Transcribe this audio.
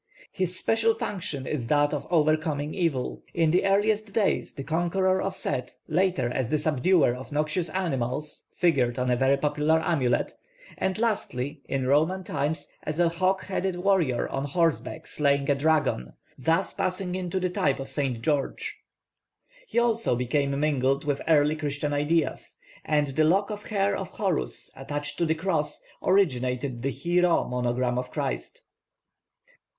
His special function is that of overcoming evil; in the earliest days the conqueror of Set, later as the subduer of noxious animals, figured on a very popular amulet, and lastly, in Roman times, as a hawk headed warrior on horseback slaying a dragon, thus passing into the type of St. George. He also became mingled with early Christian ideas; and the lock of hair of Horus attached to the cross originated the chi rho monogram of Christ.